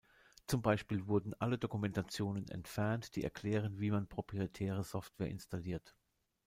Zum Beispiel wurden alle Dokumentationen entfernt, die erklären, wie man proprietäre Software installiert.